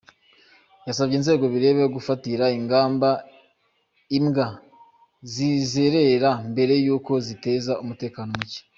Yasabye inzego bireba gufatira ingamba imbwa zizerera mbere y’uko ziteza umutekano mucye.